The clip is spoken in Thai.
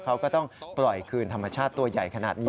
เขาก็ต้องปล่อยคืนธรรมชาติตัวใหญ่ขนาดนี้